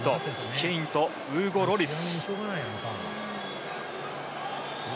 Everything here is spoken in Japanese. ケインとウーゴ・ロリス。